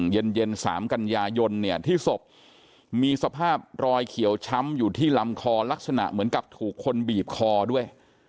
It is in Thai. เย็น๓กันยายนเนี่ยที่ศพมีสภาพรอยเขียวช้ำอยู่ที่ลำคอลักษณะเหมือนกับถูกคนบีบคอด้วย